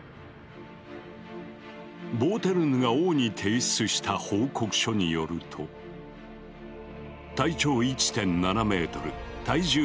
ボーテルヌが王に提出した報告書によると体長１．７ｍ体重６５ｋｇ。